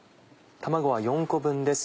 卵は４個分です。